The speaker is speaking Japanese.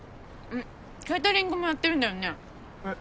ケータリングもやってるんだよね？